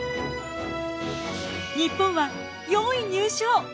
日本は４位入賞。